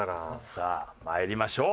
さあまいりましょう。